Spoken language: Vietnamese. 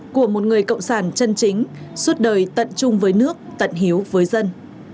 của một người cộng sản chân chính suốt đời tận chung với nước tận hiếu với dân